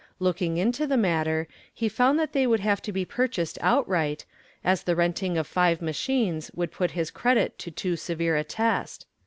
Looking into the matter, he found that they would have to be purchased outright, as the renting of five machines would put his credit to too severe a test.